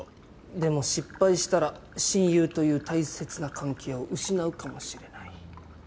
でも失敗したら親友という大切な関係を失うかもしれない。